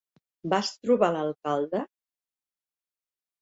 Vas trobar l'alcalde?